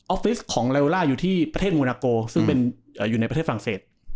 ฟิศของเลล่าอยู่ที่ประเทศมูนาโกซึ่งเป็นอยู่ในประเทศฝรั่งเศส